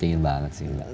tingin banget sih